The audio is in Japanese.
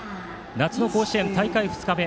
夏の甲子園、大会２日目。